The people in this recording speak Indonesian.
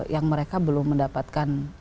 yang mereka belum mendapatkan